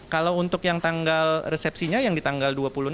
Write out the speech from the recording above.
kalau untuk yang tanggal resepsinya yang di tanggal dua puluh enam